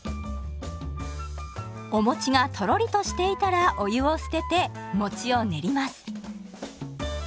お餅がとろりとしていたらお湯を捨てて餅を練ります。